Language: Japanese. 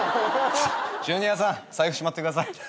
ジュニアさん財布しまってください。